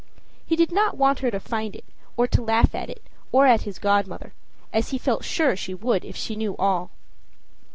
He did not want her to find it, or to laugh at it or at his godmother as he felt sure she would, if she knew all.